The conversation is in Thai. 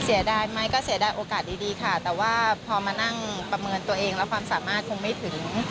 เสียดายไหมก็เสียดายโอกาสดีค่ะแต่ว่าพอมานั่งประเมินตัวเองแล้วความสามารถคงไม่ถึง